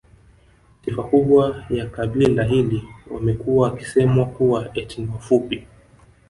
Sifa kubwa ya kabila hili wamekuwa wakisemwa kuwa eti ni wafupi